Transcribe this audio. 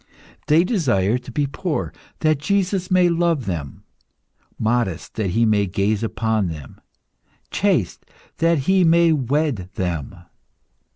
They desire to be poor, that Jesus may love them, modest, that He may gaze upon them; chaste that He may wed them.